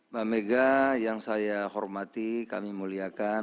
mbak mega yang saya hormati kami muliakan